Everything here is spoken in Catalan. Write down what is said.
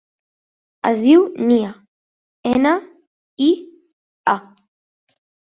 Es diu Nia: ena, i, a.